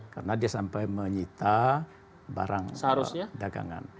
karena dia sampai menyita barang dagangan